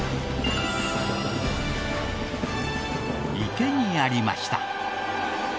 池にありました。